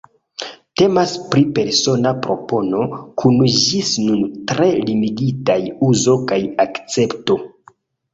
Temas pri persona propono, kun ĝis nun tre limigitaj uzo kaj akcepto.